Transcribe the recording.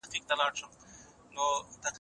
د عاقل سړي مسووليت ډېر وي.